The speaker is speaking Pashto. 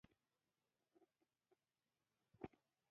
وړومبني وړومبيو